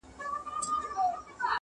زاړه کيسې بيا راژوندي کيږي تل